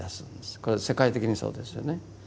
これは世界的にそうですよね。